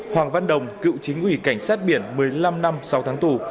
hoàng văn đồng cựu chính ủy cảnh sát biển một mươi năm năm sáu tháng tù